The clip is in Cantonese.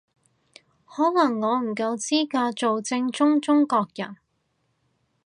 可能我唔夠資格做正宗中國人